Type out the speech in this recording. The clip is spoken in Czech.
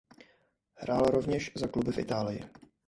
Hrál rovněž za kluby v Itálii.